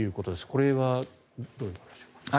これはどういうことでしょう。